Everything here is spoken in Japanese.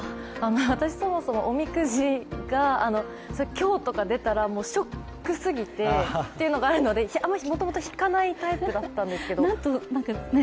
私そもそもおみくじが凶とか出たらショックすぎてというのがあるのでもともと引かないタイプだったんですけど。